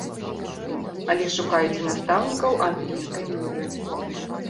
Але шукаюць і настаўнікаў англійскай мовы.